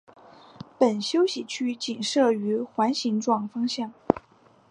本休息区仅设于环状线方向。